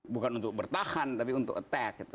bukan untuk bertahan tapi untuk attack gitu